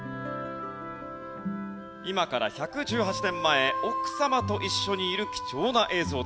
今から１１８年前奥様と一緒にいる貴重な映像でした。